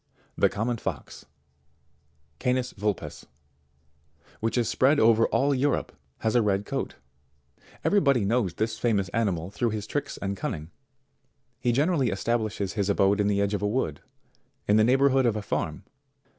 61. The Common Fox, Canis Vvlpes, which is spread over all Europe, has a red coat. Every body knows this famous ani mal through his tricks and cunning. He generally establishes his abode in the edge of a wood, in the neighbourhood of a farm.